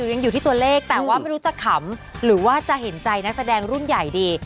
ยังอยู่ที่ตัวเลขแต่ว่าไม่รู้จะขำหรือว่าจะเห็นใจนักแสดงรุ่นใหญ่ดี